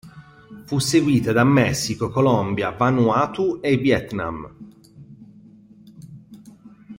Fu seguita da Messico, Colombia, Vanuatu e Vietnam.